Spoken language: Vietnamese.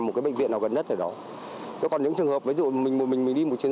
một cái bệnh viện nào gần nhất ở đó nó còn những trường hợp với dụng mình một mình mình đi một chiến